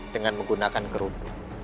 dengan menggunakan kerudung